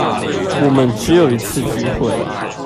我們只有一次機會